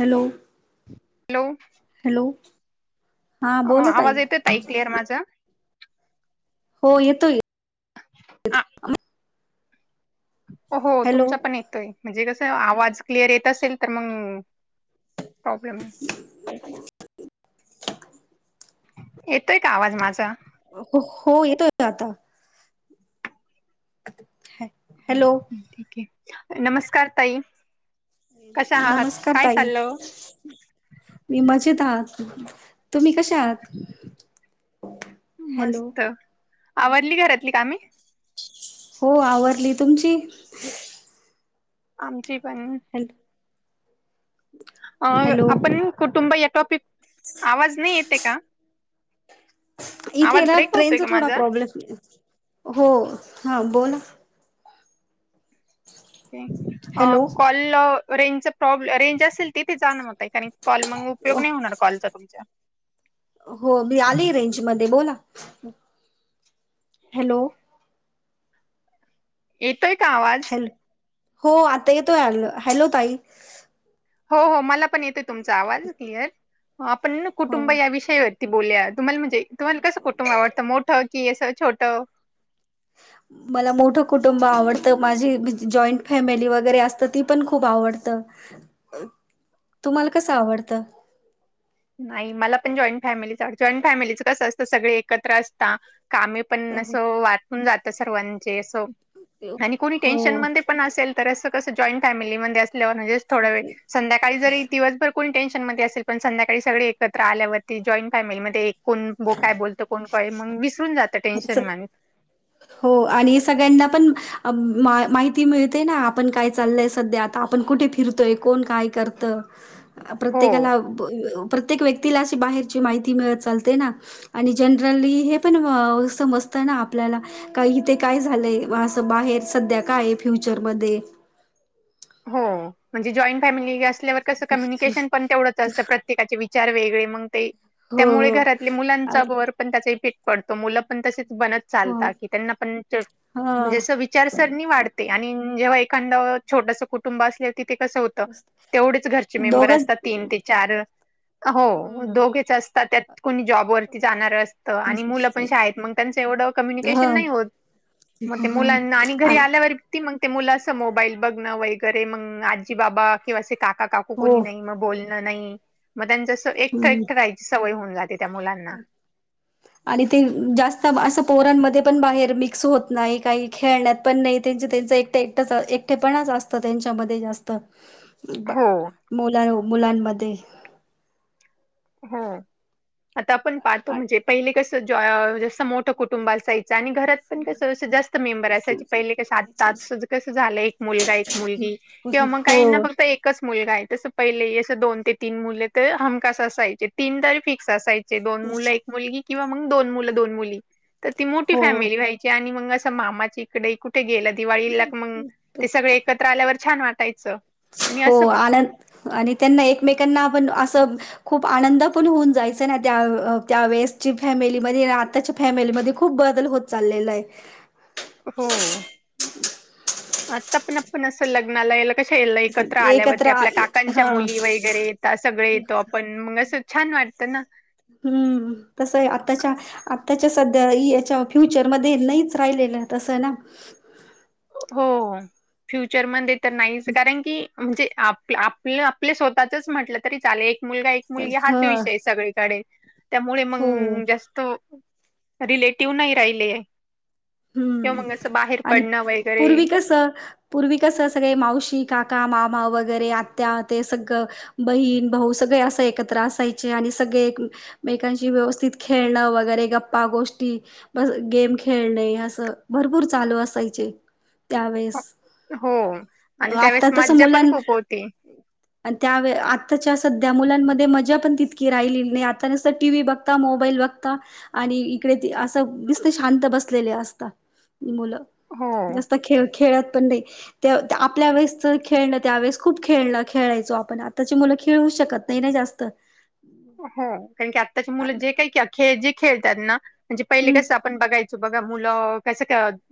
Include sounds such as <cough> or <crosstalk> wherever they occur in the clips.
Hello? Hello? Hello? हा अ बोला आवाज येतोय ताई क्लिअर माझा? हो येतोय. अ हो हॅलो तुमचा पण येतोय, म्हणजे कसं आवाज क्लिअर येत असेल, तर मग प्रॉब्लेम ये. <unintelligible> येतोय का आवाज माझा? ह हो येत <unintelligible> आता. हॅलो ठीक ये, नमस्कार ताई. कशा आहात, नमस्कार काय ताई चालल? मी मजेत आहात, तुम्ही कशा आहात? हॅलो मस्त, आवरली घरातली कामे? हो आवरली, तुमची? आमची पण. हॅल अ आपण कुटुंब या टॉपिक, आवाज नही येते का? आवाज इथेना ब्रेक होतोय ट्रेनचा का थोडा माझा प्रॉब्लेम, हो हं बोला. अ हॅलो कॉल रेंजचा प्रॉब्ले, रेंज असेल तिथे जाण म ताई, कारण कॉल मग उपयोग नही होणार, कॉलचा तुमचा. हो मी आली रेंज मध्ये, बोला. हॅलो? येतोय का आवाज? हॅल, हो आता येतोय, हॅलो ताई? हो हो मला पण येतोय तुमचा आवाज क्लिअर, आपण न कुटुंब हो या विषयावर ती बोलूया, तुम्हाला म्हणजे तुम्हाला कसं कुटुंब आवडतं, मोठं की अस छोटं? ह <unintelligible> मला मोठं कुटुंब आवडतं, माझी जॉईंट फॅमिली वगैरे असतं, ती पण खूप आवडतं. अ, तुम्हाला कस आवडतं? नाही मला पण जॉईंट फॅमिलीच आवड, जॉईंट फॅमिलीच कसं असतं, सगळे एकत्र असता, कामे पण अस वाटून जात सर्वांचे अस आणि कोणी टेन्शन हो. मधे पण असेल तर असं कस जॉईंट फॅमिलीमध्ये असलं म्हनजे थोडा वेळ संध्याकाळी जरी, दिवसभर कोणी टेन्शन मध्ये असेल, पण संध्याक त्यावेळी सगळी एकत्र आल्यावरती, जॉईंट फॅमिलीमध्ये एक कोण काय बोलतो, कोण मग वीस निघून जात टेन्शन माझं. हो आणि सगळ्यांना पण, आप माहिती मिळते ना. आपण काय चाललंय सध्या, आता आपण कुठे फिरतोय, कोण काय करतं. हो. प्रत्येकाला प प्रत्येक व्यक्तीला अशी बाहेरची माहिती मिळत चालते ना. आणि जनरली हे पण अ समजत ना आपल्याला, का इथे काय झालंय. म असं बाहेर सध्या काय आहे फ्युचर मध्ये हो, म्हणजे जॉईंट फॅमिली असल्यावर कसं, कम्युनिकेशन पण तेवढंच असतं. प्रत्ये काचे विचार वेगळे मग, ते हो त्यामुळे हो घरातील मुलांच्या आणि वर त्याचे इफेक्ट पडतो. मुल पण तसच बनत हो चालतात. की त्यांना पण ते हा म्हणजे अस वि चारसरणी वाढते आणि जेव्हा एखादं छोटस कुटुंब असले की ते कसं हो त. तेवढेच घरचे मेंबर दोघच असतात तीन ते चार हो, हम्म दोघेच असतात. त्यात कोणी जॉबवरती जाणार अस त. ह आणि मुलं पण शाळेत मग त्यांचं एवढं ह कम्युनिकेशन नाही होत. मग ते मुलांना आणि घरी आल्यावर ती. मग ते मुल असं मोबाईल बघणं वगैरे, मग आजी-बाबा किंवा असे काका-का कू हो कोणी नाही. मग बोलणं नाही. मग त्यांचं अस एकट हम्म एकट राहायची सवय होऊन जाते. त्या मुलांना <inaudible> आणि ते जास्त असं, पोरांमध्ये पण बाहेर मिक्स होत नाही. काही खेळण्यात पण नाही. त्यांच त्यांच एक ट एकटेपणच असत त्यांच्यामध्ये जास्त बा हो मुला मुलांमध्ये हो. आता आपण पाहतो आ- म्हणजे पहिले कसं जॉ जसं मोठं कुटुंब असाय चा. आणि घरात पण कसं जास्त मेंबर असायचे. पहिले कस आता कसं झालंय एक मुलगा, एक मुलगी किंवा मग काहींना हो फक्त एकच मुलगा आहे. तस, पहिले असं दोन ते तीन मुले तर हमखास असायचे. तीन तरी फिक्स असायचे दोन मुलं एक मुलगी किंवा मग दोन मुलं, दोन मुली तर ती मोठी हो फॅमिली व्हायची. आणि मग असं मामाची कडे कुठे गेलं दिवाळीला क मग ते सगळे एकत्र आल्यावर छान वाटायचं. आणि हो. असं आन आणि त्यांना एकमेकांना आपण असं खूप आनंद पण होऊन जायच ना. त्या अ त्या वेळेसची फॅमिलीमध्ये आणि आताच्या फॅमेलीमध्ये खूप बदल होत चाललेला आहे. हो, आता पण आपण अस लग्नाला हेला कशा एल एकत्र एकत्र आल्यावरती आ आपल्या काकांच्या हा मुली वगैरे येतात. सगळे येतो आपण मग अस छान वाटतं ना. हम्म. कस आहे आताच्या आताच्या सध्या याच्या फ्युचरमध्ये नाहीच राहिलेलं. तसं ना. हो. फ्युचरमध्ये तर नाहीच कारण की म्हणजे आप आप पल आपले स्वतःचच म्हटलं तरी चालेल. एक मुलगा, एक मुलगी हाच ह विषय सगळीकडे. त्यामुळे मग हो जास्त रिलेटिव्ह नाही राहिले. किंवा हम्म मग असं बाहेर आणि पडणं, वैग पूर्वी क स पूर्वी कस सगळे मावशी, काका, मामा वगैरे आत्या ते सगळं बहीण, भाऊ सगळे असं एकत्र असायचे आणि सगळे एक मेकांशी व्यवस्थित खेळणं वगैरे गप्पा गोष्टी ब गेम खेळणे अस भरपूर चालू असायचे. त्यावेेळेस हो आणि त्यावेळेस आता तस मज्जा मुलां पण खूप होती. आणि त्यावे आत्ताच्या सध्या मुलांमध्ये मजा पण तितकी राहिली नाही, आता नस तर टीव्ही बघ या, मोबाईल बघता आणि इकडे असं दिसत शांत बसलेले असत या मुलं. हो. जास्त खेळ खेळत पण नाही. ते त्या आपल्या वेळेस तर खेळणं त्यावेळेस खूप खेळण खेळायचो आपण आत्ताची मुलं खेळू शकत नाही नाही जास्त. हो कारण की आत्ताचे मुलं जे काही ख जे खेळतात ना म्हणजे पहिले हम्म कस आप आपण बघायच बघा मुलं कस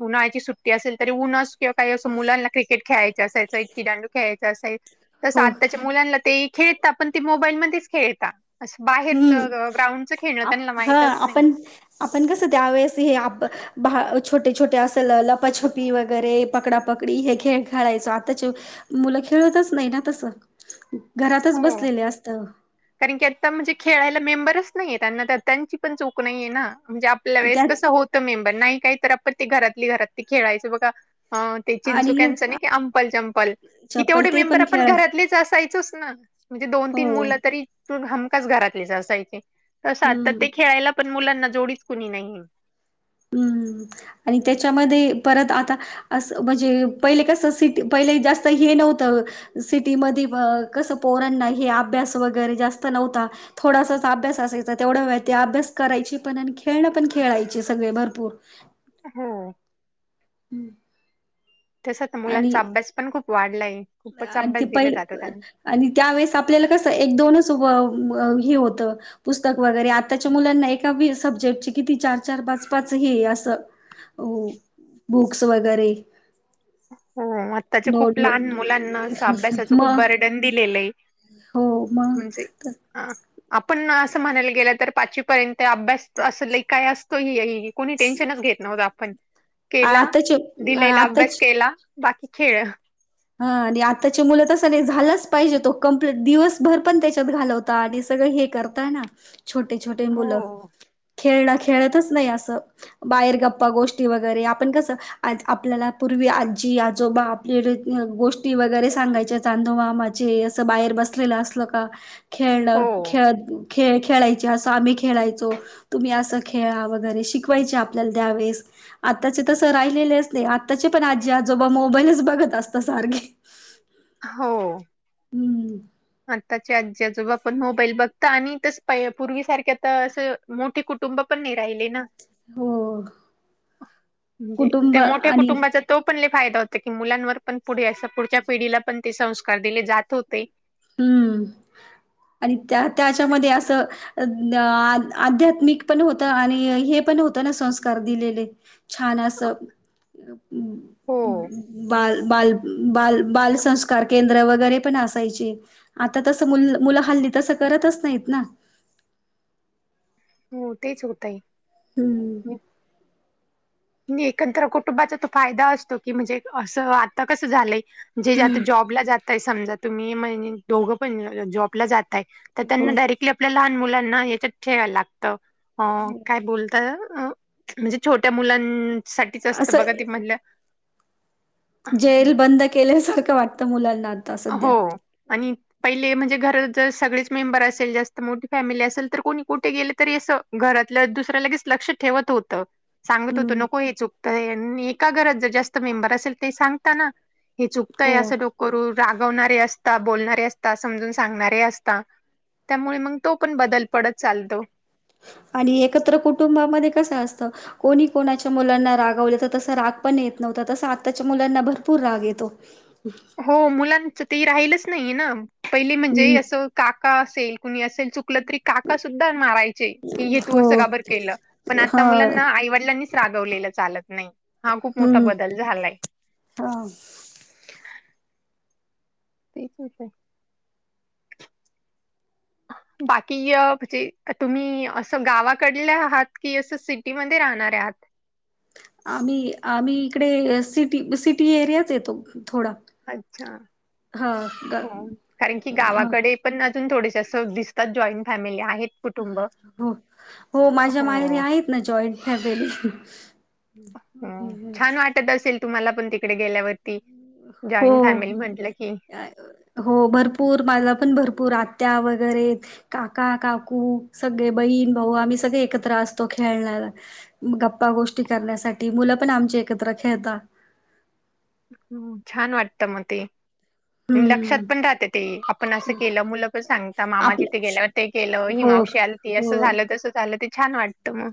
उन्हाळची सुट्टी असेल तरी उन्हाच किंवाही असं मुलांना क्रिकेट खेळायचं असायच इटकी डू खेळायचा असाल तसं हो आत्ता मुलांना ते खेळत पण ते मोबाईल मध्येच खेळता. असं बाहेरच हम्म ग्राउंडचं खेळणं त्यांना हा माहितच नाही. आपण आपण कसं त्यावेेळेस हे आप बा छोटे छोटे असेल लपाछपी वगैरे पकडापकडी हे खेळ खेळायचं आताच मुलं खेळतच नाही ना तस घरातच हो. बसलेले असत‌. कारण की आता म्हणजे खेळायला मेंबरच नाहीये त्यांना तर त्यांची पण चूक नाहीये ना म्हणजे ल वेळेस त्यात कसं होतं मेंबर नाही काही तर आपण ती घरातली घरात त खेळायच बघा हां. ते आणि चिंचुक्यांचं नाही का? अंपल चंपल कि चप्पल तेवढे ते मेंबर पण आपण खेळ घरातलेच असायचोच ना. म्हणजे दोन तीन हो मुलं तरी हमखच घरातलीच असायचे तस आ हम्म ते खेळायला. पण मुलांना जोडीस कुणी नाही. हम्म, आणि त्याच्यामध्ये परत आता असं म्हणजे पहिले कसं सिटी पहिले जास्त हे नव्हतं. सिटीमध्ये कसं पोरणना हे अभ्यास वगैरे जास्त नव्हता. थोडासा अभ्यास असायचा तेवढं ते अभ्यास करायची पण आणि खेळणं पण खेळायची. सगळे भरपूर. हां. हम्म. तस आणि मुलांचा अभ्यास पण खूप वाढलाय. खूपच आणि ते अभ्यास दिला पहि जातो त्यांना आणि त्यावेेळेस आपल्याला कसं एक दोनच व व- हे होतं. पुस्तक वगैरे आताच्या मुलांना एका बी -सबजेक्ट किती चार चार पाच पाच हे असं. हो बुक्स वगैरे. हो आत्ताच्या नोड खूप नो लहान मुलांना असं अभ्यासाचं खूप मग बर्डन दिलेलं आहे. हो म्हणजे मग, अ आपण असं म्हणायला गेलं तर पाचवीपर्यंत अभ्यास असले काय असतो हे ही. की कोणी टेन्शनच घेत न्हवतो आपण. केला आताचे दिलेला अभ्यास आताच केला बाकी खेळ‌. ह आणि आताची मुलं तसं नाही झालाच पाहिजे तो कमप्लीट, दिवसभर पण त्याच्यात घालव तर आधी सगळं हे करताय ना छोटे छोटे मुलं. हो. खेळणं खेळतच नाही असं बाहेर गप्पा गोष्टी वगैरे आपण कस आज आपल्याला पूर्वी आजी आजोबा <unintelligible> गोष्टी वगैरे सांगायच्या चांदूमामाचे असं बाहेर बसलेलं असल का! खेळण हो. खेळ खेळ खेळायचे असं आम्ही खेळायचो. तुम्ही असं खेळा वगैरे शिकवायचे आपल्याला त्यावेेळेस. आताचे तसं राहिलेलेच नाही, आत्ताचे पण आजी आजोबा मोबाईलच बघत असता सारखे‌. हो! हम्म! आत्ताचे आजी आजोबा पण मोबाईल बघता आणि तस पहि पूर्वीसारख तर असं मोठे कुटुं कुटुंब पण नाही राहिले ना, हो म्हणजे कुटुंब त्या मोठ्या आणि कुटुंबाच्या तो पण लय फायदा होता की मुलांवर पण पुढे अस पुढच्या पिढीला पण ते संस्कार दिले जात होते. हम्म आणि त्या त्याच्यामध्ये अस आध्यात्मिक पण होत आणि हे पण होत आणि हे पण होत ना संस्कार दिलेले. छान अस हो बाल बालप बाल- बालसंस्कार केंद्र वगैरे पण असायचे. आता तस मुल मुल हल्ली तस करतच नाहीत ना. हो तेच होतय. हम्म नी एकत्र कुटुंबाचा तो फायदा असतो की म्हणजे अस आता कस झालय. जे जे आता जॉबला जाताय समजा तुम्ही म्हणज दोघ पण जॉबला जात ताय तर हो त्यांना डायरेक्टली आपल्या लहान मुलांना याच्यात ठेवाव लागत. अ काय बोलता? अ म्हणजे छोट्या मुलांसाठीच असत असं बघा ते म्हणल्या जेल बंद केल्यासारख वाटत मुलांना आत हो आणि पहिले म्हणजे घरात जर सगळेच मेंबर असेल जास्त मोठी फॅमिली असेल तर कोणी कुठे गेले तरी अस घरातला दुसर लगेच लक्ष ठेवत होत. सांगत होतो हम्म नको हे चुकतय आणि एका घरात जर जास्त मेंबर असेल ते सांगताना. हे चुकतय हो अस नको करू. रागवणारे असता, बोलणारे असता, समजून सांगणारे असता. त्यामुळे मग तो पण बदल पडत चालतो. आणि एकत्र कुटुंबामध्ये कस असत, कोणी कोणाच्या मुलांना रागवले तर तस राग पण येत नव्हता तस आत्ताच्या मुलांना भरपूर राग येतो. ह हो मुलांच ते ही राहिलच नाहीये ना पहिली म्हणजे हम्म अस काका असेल कुणी असेल चुक चुकल तरी, काका सुद्धा मारायचे की हे तू अस हो का बर केल. पण आत्ता हा मुलांना आईवडिलांनीच रागवलेल चालत नाही. हा खूप मोठा हम्म बदल झालाय. हा तेच होतय. बाकी अ म्हणजे तुम्ही अस गावाकडल्या आहात की, अस सिटीमध्ये राहणारे आहात. आम्ही -आम्ही इकडे सिटी- सिटी एरियाच येतो थोडा. अच्छा. हा ग- हो. कारण की हा गावाकडे पण अजून थोडेसे असं दिसतात जॉईंट फॅमिली आहेत. कुटुंब. हो -हो माझ्या माहेरी हो. आहेत ना जॉईट फॅमिली. हो, छान वाटत असेल तुम्हाला पण तिकडे गेल्यावरती. जॉईंट हो फॅमिली म्हंटल की, हो, भरपूर माझ्या पण भरपूर आत्या वगैरे काका- काकू सगळे बहीण, भाऊ आम्ही सगळे एकत्र असतो खेळण्याला. गप्पा गोष्टी करण्यासाठी मुल पण आमची एकत्र खेळतात. ह् छान वाटत मग ते, लक्षात हम्म पण राहते ते, आपण अस केल मुल पण सांगता, मामा च्या इथ आपल्या गेल्यावर ते केल, हि हो मावशी आलती ते अस हो झालं तस झाल ते छान वाटत मग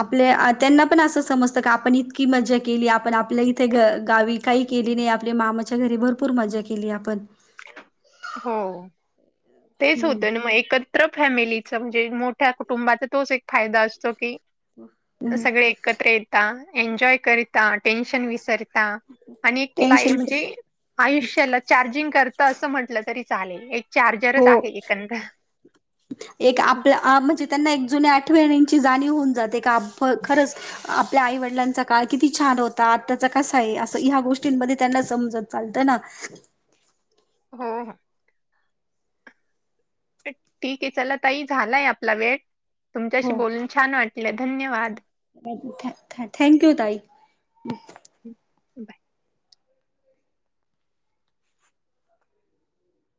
आपल्या त्यांना पण अस समजत का, आपण इतकी मजा केली आपण आपल्या इथे घ गावी. काही केली नाही. आपले मामाच्या घरी भरपूर मजा केली आपण. हो तेच होत ना मग एकत त्र फॅमिलीच म्हणजे मोठ्या कुटुंबाचा तोच एक फायदा असतो की सगळे एकत्र येता एन्जॉय करता टेन्शन विसर ता आणि ला टेन्शन म्हणजे आयुष्याला चार्जिंग करत असं म्हण म्हटलं तरी चालेल एक हो एकंदर. एक आपल्या म्हणजे त्यांना एक जुन्या आठवणीची जाणीव होऊन जाते का आप खरंच आपल्या आईवडिलांचा काळ किती छान होता आताचा कसा आहे असं ह गोष्टींमध्ये त्यांना समजत चालतं ना <unintelligible> हो, हो ठीक आहे चला ताई झालाय आपला वेळ तुमच्याशी हो बोलून छान वाटलं धन्यवाद थँक्यू ताई बाय